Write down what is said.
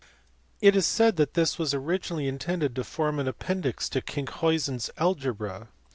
It is said that this was originally intended to form an appendix to Kinckhuysen s Algebra (see above, p.